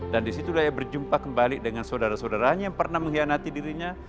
dan disitu dia berjumpa kembali dengan saudara saudaranya yang pernah mengkhianati dirinya